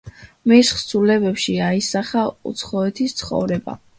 მის თხზულებებში აისახა უცხოეთის ცხოვრება.